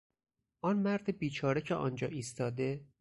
آن مرد بیچاره که آنجا ایستاده...